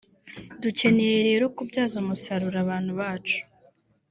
dukeneye rero kubyaza umusaruro abantu bacu